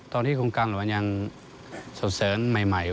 ตอนนี้โครงการหลวงยังส่งเสริมใหม่